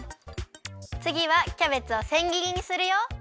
つぎはキャベツをせんぎりにするよ。